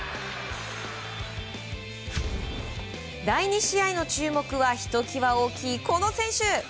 第２試合の注目はひと際大きい、この選手。